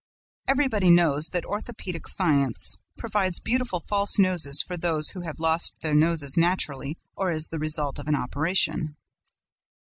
Everybody knows that orthopaedic science provides beautiful false noses for those who have lost their noses naturally or as the result of an operation.